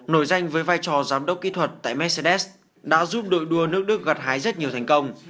nổi danh với vai trò giám đốc kỹ thuật tại mercedes đã giúp đội đua nước đức gặt hái rất nhiều thành công